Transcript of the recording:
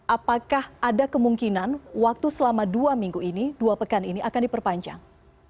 apakah ada kemungkinan waktu selama dua minggu ini dua pekan ini akan diperpanjang